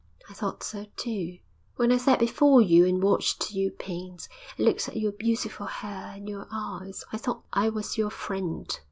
'I thought so too. When I sat before you and watched you paint, and looked at your beautiful hair and your eyes, I thought I was your friend.